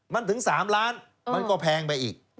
มันถึง๓ล้านมันก็แพงไปอีก